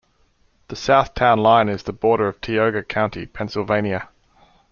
The south town line is the border of Tioga County, Pennsylvania.